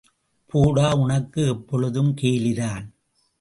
போடா, உனக்கு எப்பொழுதும் கேலிதான்.